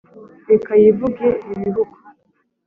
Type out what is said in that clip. Reka yivuge ibihugu